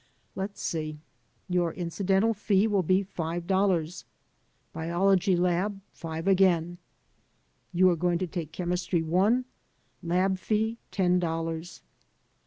Let's see, your incidental fee will be five dollars; biology lab., five again; you are going to take chemistry I — ^lab. fee, ten dollars."